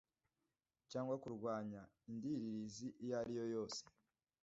cyangwa kurwanya indiririzi iyo ariyo yose